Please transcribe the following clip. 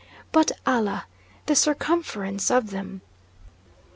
But, Allah! the circumference of them!